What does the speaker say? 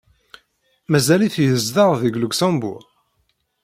Mazal-it yezdeɣ deg Luxembourg?